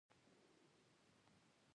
او بيا پۀ تېره تېره د سګرټو لوګی